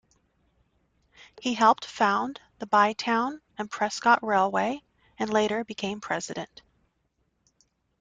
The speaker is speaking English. He helped found the Bytown and Prescott Railway and later became president.